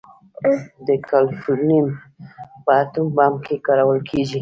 د کالیفورنیم په اټوم بم کې کارول کېږي.